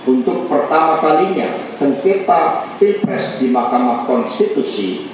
untuk pertama kalinya sengketa pilpres di mahkamah konstitusi